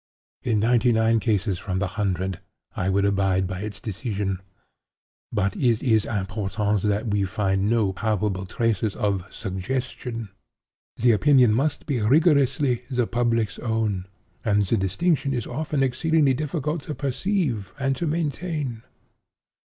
In ninety nine cases from the hundred I would abide by its decision. But it is important that we find no palpable traces of suggestion. The opinion must be rigorously the public's own; and the distinction is often exceedingly difficult to perceive and to maintain.